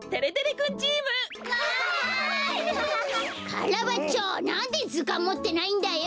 カラバッチョなんでずかんもってないんだよ？